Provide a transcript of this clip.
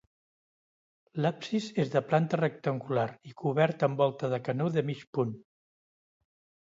L'absis és de planta rectangular i cobert amb volta de canó de mig punt.